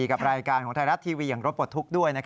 กับรายการของไทยรัฐทีวีอย่างรถปลดทุกข์ด้วย